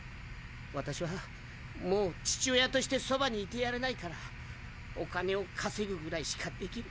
私はもう父親としてそばにいてやれないからお金をかせぐぐらいしかできることは。